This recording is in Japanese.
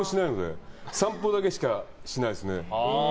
散歩だけしかしないですね。